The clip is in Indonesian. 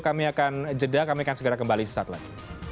kami akan jeda kami akan segera kembali sesaat lagi